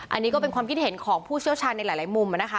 อันนี้ก็เป็นความคิดเห็นของผู้เชี่ยวชาญในหลายมุมนะคะ